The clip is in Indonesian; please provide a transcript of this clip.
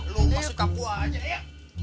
lu masuk takut aja ya